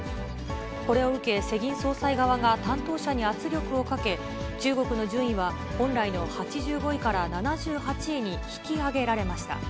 これを受け、世銀総裁側が担当者に圧力をかけ、中国の順位は本来の８５位から７８位に引き上げられました。